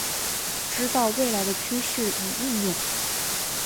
知道未来的趋势与应用